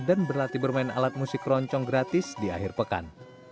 dan berlatih bermain alat musik keroncong gratis di akhir pekan